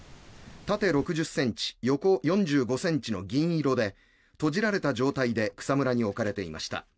縦６０ｃｍ、横４５ｃｍの銀色で閉じられた状態で草むらに置かれていました。